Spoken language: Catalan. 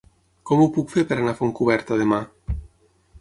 Com ho puc fer per anar a Fontcoberta demà?